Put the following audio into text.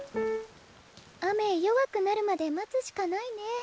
雨弱くなるまで待つしかないね。